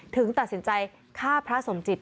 ตัดสินใจฆ่าพระสมจิต